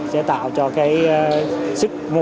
sẽ tạo cho các cái lĩnh vực này